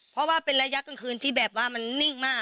เพราะว่าเป็นระยะกลางคืนที่แบบว่ามันนิ่งมาก